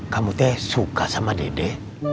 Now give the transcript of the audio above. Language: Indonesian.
kamu teh suka sama dede